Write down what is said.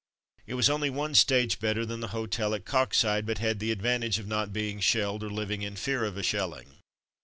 It was only one stage better than the hotel at Coxyde, but had the advantage of not being shelled, or living in fear of a shelling.